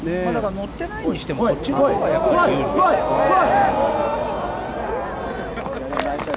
乗ってないにしてもこっちのほうが有利ですよね。